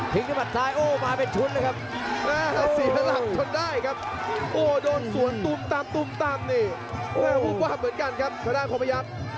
ทิ้งทุ่มัดซ้าย